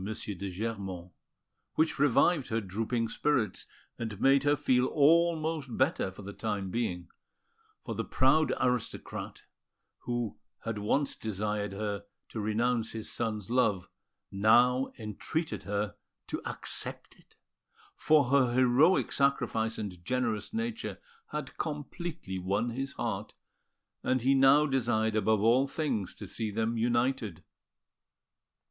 de Germont, which revived her drooping spirits, and made her feel almost better for the time being; for the proud aristocrat, who had once desired her to renounce his son's love, now entreated her to accept it, for her heroic sacrifice and generous nature had completely won his heart, and he now desired above all things to see them united.